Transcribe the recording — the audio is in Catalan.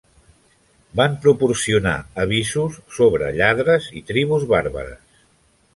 Van proporcionar avisos sobre lladres i tribus bàrbares.